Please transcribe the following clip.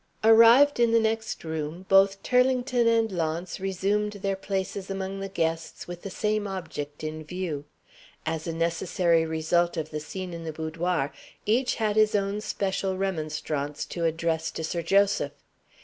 Arrived in the next room, both Turlington and Launce resumed their places among the guests with the same object in view. As a necessary result of the scene in the boudoir, each had his own special remonstrance to address to Sir Joseph.